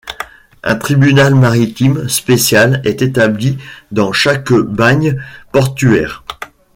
Un tribunal maritime spécial est établi dans chaque bagne portuaire.